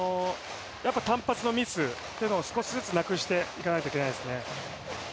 単発のミスというのを少しずつなくしていかないといけないですね。